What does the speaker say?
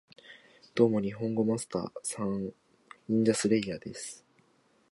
ドーモ、ニホンゴマスター＝サン！ニンジャスレイヤーです